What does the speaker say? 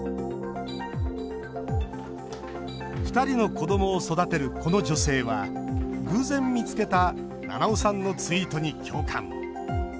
２人の子どもを育てるこの女性は偶然見つけた七尾さんのツイートに共感。